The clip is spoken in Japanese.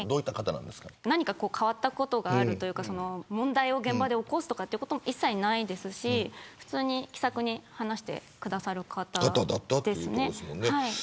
何か変わったことがあるか問題を起こすということも一切ないですし普通に気さくに話してくれる方ですね。